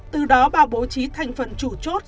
từ đó bà bố trí thành phần chủ chốt